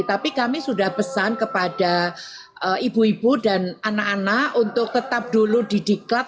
tapi kami sudah pesan kepada ibu ibu dan anak anak untuk tetap dulu di diklat